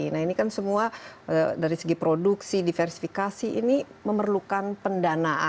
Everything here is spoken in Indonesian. nah ini kan semua dari segi produksi diversifikasi ini memerlukan pendanaan